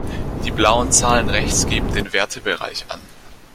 Die blauen Zahlen rechts geben den Werte"bereich" an.